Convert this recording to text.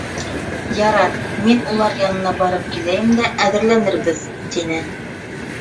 — Ярар, мин улар янына барып киләйем дә әҙерләнербеҙ, — тине.